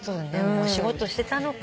お仕事してたのか。